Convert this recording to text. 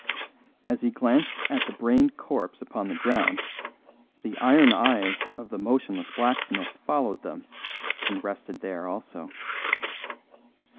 As he glanced at the brained corpse upon the ground the iron eyes of the motionless blacksmith followed them and rested there also.